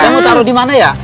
saya mau taruh di mana ya